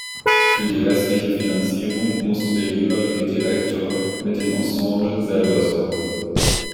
Für die restliche Finanzierung musste der jeweilige Direktor mit dem Ensemble selber sorgen.